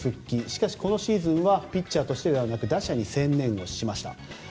しかし、このシーズンはピッチャーとしてではなく打者に専念をしました。